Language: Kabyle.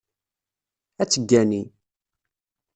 Ad teggani.